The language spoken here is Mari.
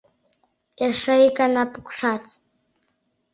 — Эше ик гана пукшат.